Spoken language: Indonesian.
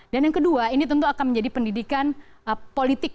dan yang kedua ini tentu akan menjadi pendidikan politik